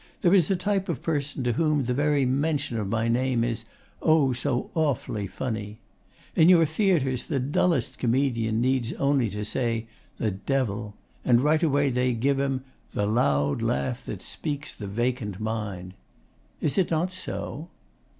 'There is a type of person to whom the very mention of my name is oh so awfully funny! In your theatres the dullest comedian needs only to say "The Devil!" and right away they give him "the loud laugh that speaks the vacant mind." Is it not so?